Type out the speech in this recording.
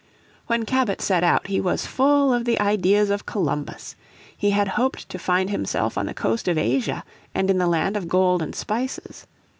When Cabot set out he was full of the ideas of Columbus. He had hoped to find himself on the coast of Asia and in the land of gold and spices.